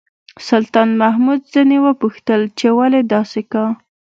سلطان محمود ځنې وپوښتل چې ولې داسې کا.